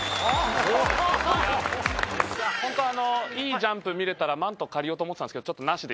ホントいいジャンプ見れたらマント借りようと思ってたんですけどちょっとなしで。